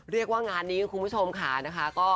เรียกว่างานนี้คุณผู้ชมค่ะนะคะ